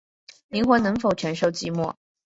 灵魂能否承受寂寞